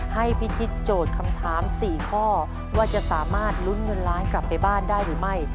พิชิตโจทย์คำถาม๔ข้อว่าจะสามารถลุ้นเงินล้านกลับไปบ้านได้หรือไม่